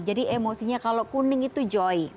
jadi emosinya kalau kuning itu joy